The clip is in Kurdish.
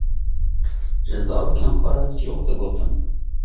ji zarokên xwe re çîrok digotin.